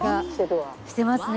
してますね。